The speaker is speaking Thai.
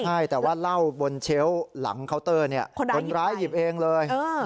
ใช่แต่ว่าเหล้าบนเชลล์หลังเคาน์เตอร์เนี่ยคนร้ายหยิบเองเลย